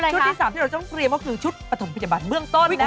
ชุดที่สามที่เราต้องพรีมก็คือชุดปฐมพยาบาลเมืองต้นนะคะ